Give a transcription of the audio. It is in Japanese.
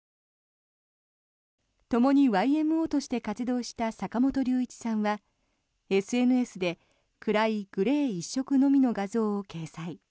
ともにＹＭＯとして活動した坂本龍一さんはＳＮＳで暗いグレー一色のみの画像を掲載。